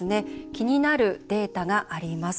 気になるデータがあります。